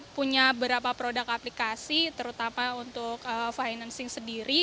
punya beberapa produk aplikasi terutama untuk financing sendiri